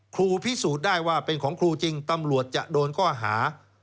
ครูพิสูจน์ได้ว่าเป็นของครูจริงตำรวจจะโดนข้อหา